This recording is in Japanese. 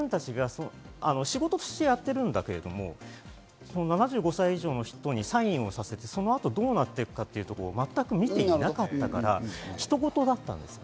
仕事としてやっているんだけれども、７５歳以上の人にサインをさせて、そのあとどうなっていくかを全く見ていなかったから人ごとだったんです。